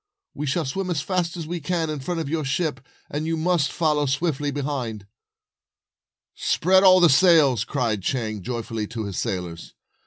We shall swim as fast as we can in front of your ship, and you must follow swiftly behind." "Spread all the sails," cried Chang, joyfully, to his sailors.